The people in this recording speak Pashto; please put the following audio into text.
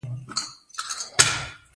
افغانستان د سنگ مرمر لپاره مشهور دی.